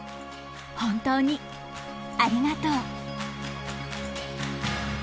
本当にありがとう。